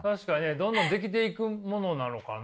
どんどん出来ていくものなのかな。